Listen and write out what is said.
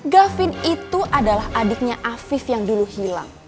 gavin itu adalah adiknya afif yang dulu hilang